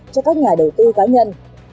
cho các nhà đầu tư cá nhân